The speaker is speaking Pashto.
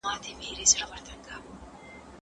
موږ د داستاني اثر په اړه پلټنه کوو.